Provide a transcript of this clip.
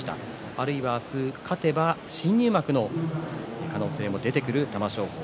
あるいは明日、勝てば新入幕の可能性も出てくる玉正鳳